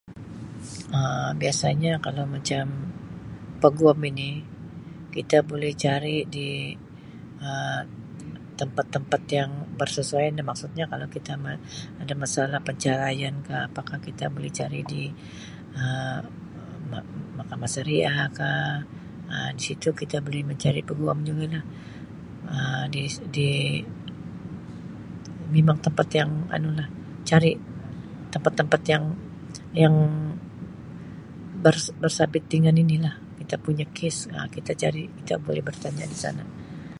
Um Biasanya kalau macam peguam ini kita boleh cari di Um tempat-tempat yang bersesuaian ni maksudnya kalau kita me-ada masalah penceraian ka apakah kita boleh cari di Um ma-mahkamah syariah ka Um di situ kita boleh mencari peguam juga lah Um di-di memang tempat yang anu lah cari tempat-tempat yang-yang bersa-bersabit dengan ini lah kita punya kes Um kita cari kita boleh bertanya di sana.